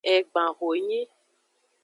Egban honyi.